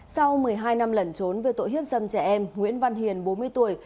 sau một mươi hai năm lẩn trốn về tội hiếp dâm trẻ em nguyễn văn hiền bốn mươi tuổi